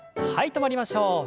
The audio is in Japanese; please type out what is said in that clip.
止まりましょう。